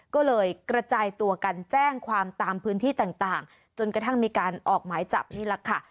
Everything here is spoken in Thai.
ก็เลยกระจายตัวกันแจ้งความตามพื้นที่ต่างจนกระทั่งมีการออกหมายจับนี่แหละค่ะ